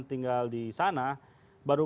tinggal di sana baru